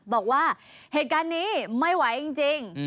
บอกว่าเหตุการณ์นี้ไม่ไหวจริง